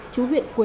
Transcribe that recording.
chú huyện quyền